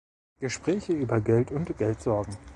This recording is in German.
Gespräche über Geld und Geldsorgen.